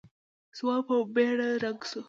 ځوان په بېړه رنګ شو.